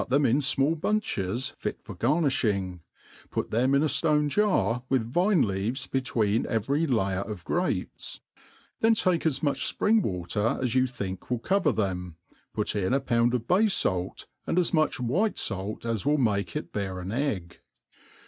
them irt fmail bunches fit for garnifliing, put them in a ftone jar, with vine leaves between tycry layer of gr ^pcsj then take as much fpring v^ater as you think will cover them, put in a pound of bay falt, and as much white fait as will make it bear an egg.